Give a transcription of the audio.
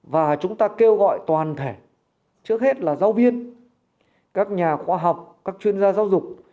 và chúng ta kêu gọi toàn thể trước hết là giáo viên các nhà khoa học các chuyên gia giáo dục